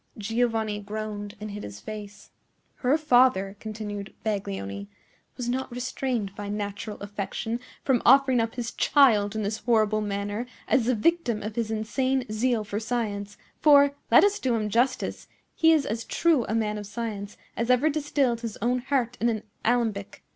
Giovanni groaned and hid his face "Her father," continued Baglioni, "was not restrained by natural affection from offering up his child in this horrible manner as the victim of his insane zeal for science; for, let us do him justice, he is as true a man of science as ever distilled his own heart in an alembic.